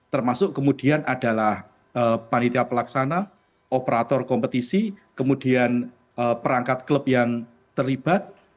termasuk kemudian adalah panitia pelaksana operator kompetisi kemudian perangkat klub yang terlibat